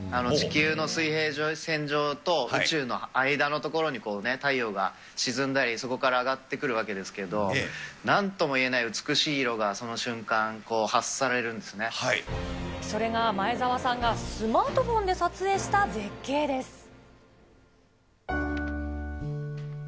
地球の水平線上と宇宙の間の所に太陽が沈んだり、そこからあがって来るわけですけれども、なんともいえない美しい色がその瞬間、それが、前澤さんがスマートフォンで撮影した絶景です。